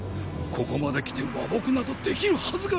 ここまで来て和睦などできるはずが！